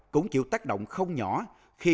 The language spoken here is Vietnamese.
cũng chịu tác động không nhỏ khi